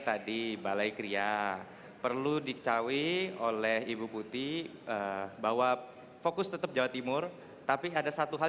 tadi balai kria perlu diketahui oleh ibu putih bahwa fokus tetap jawa timur tapi ada satu hal